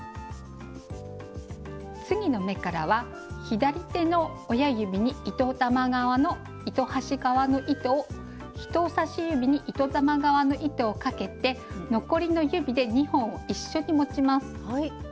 次の目からは左手の親指に糸端側の糸を人さし指に糸玉側の糸をかけて残りの指で２本を一緒に持ちます。